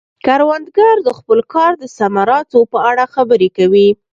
کروندګر د خپل کار د ثمراتو په اړه خبرې کوي